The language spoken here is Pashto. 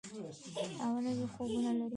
او نوي خوبونه لري.